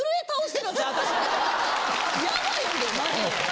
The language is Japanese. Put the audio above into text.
ヤバいんでマジで。